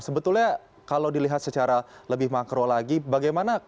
sebetulnya kalau dilihat secara lebih makro lagi bagaimana